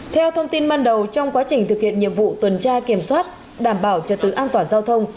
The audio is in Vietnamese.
theo thông tin ban đầu trong quá trình thực hiện nhiệm vụ tuần tra kiểm soát đảm bảo trật tự an toàn giao thông